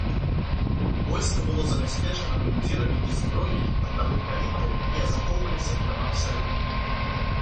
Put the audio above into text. Войска было забяспечана мундзірамі і зброяй аднаго калібра, якія захоўваліся ў дамах сялян.